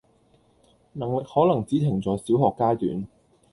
能力可能只停在小學階段